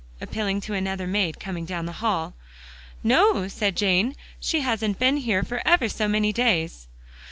appealing to another maid coming down the hall. "No," said Jane. "She hasn't been here for ever so many days."